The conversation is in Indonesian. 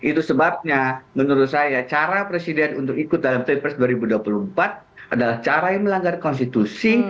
itu sebabnya menurut saya cara presiden untuk ikut dalam pilpres dua ribu dua puluh empat adalah cara yang melanggar konstitusi